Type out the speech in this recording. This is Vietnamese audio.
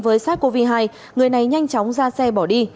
với sars cov hai người này nhanh chóng ra xe bỏ đi